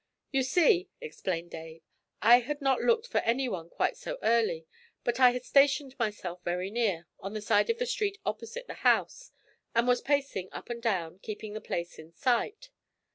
'You see,' explained Dave, 'I had not looked for any one quite so early, but I had stationed myself very near, on the side of the street opposite the house, and was pacing up and down, keeping the place in sight.